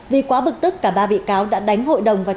vì quá bực tức cả ba bị cáo đã đánh hội đồng